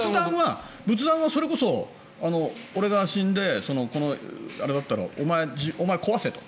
仏壇はそれこそ俺が死んであれだったらお前、壊せと。